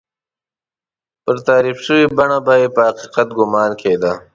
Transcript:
پر تحریف شوې بڼه به یې د حقیقت ګومان کېده.